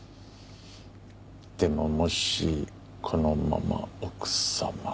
でももしこのまま奥様が。